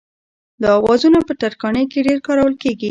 دا اوزارونه په ترکاڼۍ کې ډېر کارول کېږي.